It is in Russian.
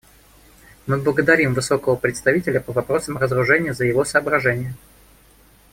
Мы благодарим Высокого представителя по вопросам разоружения за его соображения.